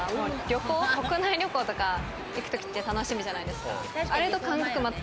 国内旅行とか行く時って楽しみじゃないですか。